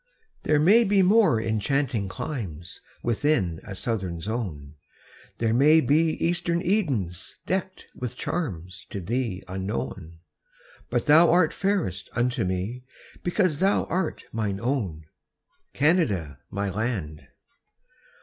There may be more enchanting climes Within a southern zone; There may be eastern Edens deckt With charms to thee unknown; But thou art fairest unto me, Because thou art mine own, Canada, my land.